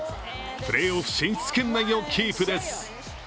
プレーオフ進出圏内をキープです。